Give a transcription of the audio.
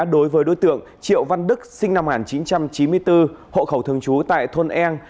đối với đối tượng triệu văn đức sinh năm một nghìn chín trăm chín mươi bốn hộ khẩu thường trú tại thôn eng